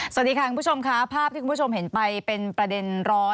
สวัสดีค่ะคุณผู้ชมค่ะภาพที่คุณผู้ชมเห็นไปเป็นประเด็นร้อน